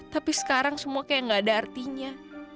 tapi sekarang semua kayak gak ada artinya